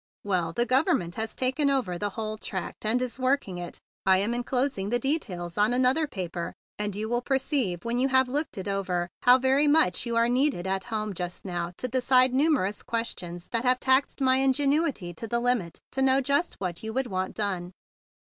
Well, the Government has taken over the whole tract, and is work¬ ing it. I am enclosing the details on another paper, and you will perceive, when you have looked it over, how very much you arq needed at home just now to decide numerous questions which have taxed my ingenuity to the limit to know 152 THE BIG BLUE SOLDIER just what you would want done.